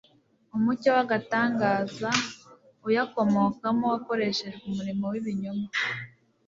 Umucyo w'agatangaza uyakomokamo wakoreshejwe umurimo w'ibinyoma.